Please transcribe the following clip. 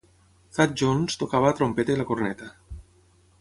Thad Jones tocava la trompeta i la corneta.